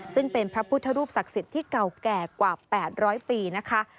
ซึ่งเป็นพระพุทธรูปศักดิ์สิทธิ์ที่เก่าแก่กว่า๘๐๐ปีนะคะ